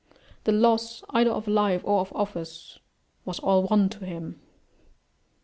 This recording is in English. The loss either of life or of office was all one to him.